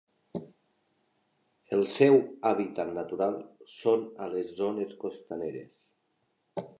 El seu hàbitat natural són a les zones costaneres.